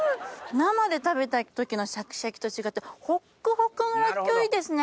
生で食べた時のシャキシャキと違ってホックホクのらっきょういいですね。